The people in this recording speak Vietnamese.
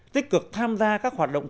tích cực tham gia các hoạt động